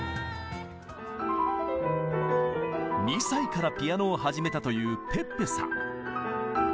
２歳からピアノを始めたというｐｅｐｐｅさん。